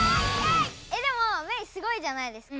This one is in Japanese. えでもメイすごいじゃないですか。